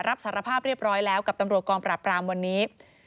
รับสารภาพเรียบร้อยแล้วกับตำรวจกองปราบรามวันนี้